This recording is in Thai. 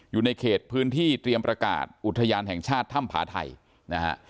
อยู่ในเขตพื้นที่เตรียมประกาศอุทยานแห่งชาติถ้ำผาไทยนะฮะ